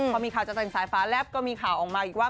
พอมีข่าวจะแต่งสายฟ้าแลบก็มีข่าวออกมาอีกว่า